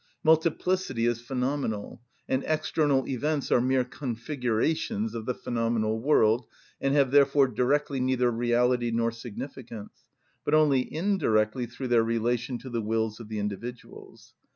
Multiplicity is phenomenal, and external events are mere configurations of the phenomenal world, and have therefore directly neither reality nor significance, but only indirectly through their relation to the wills of the individuals.